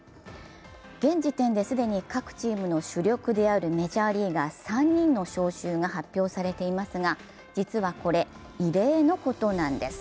現時点で既に各チームの主力であるメジャーリーガー３人の招集が発表されていますが、実はこれ、異例のことなんです。